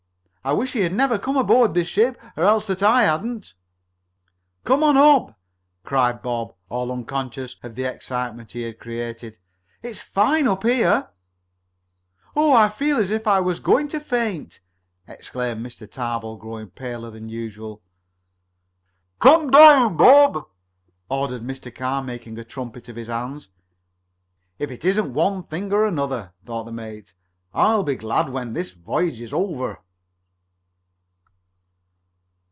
I wish he had never come aboard this ship, or else that I hadn't!" "Come on up!" cried Bob, all unconscious of the excitement he had created. "It's fine up here!" "Oh! I feel as if I was going to faint!" exclaimed Mr. Tarbill, growing paler than usual. "Come down, Bob!" ordered Mr. Carr, making a trumpet of his hands. "If it isn't one thing it's another," thought the mate. "I'll be glad when this voyage is over."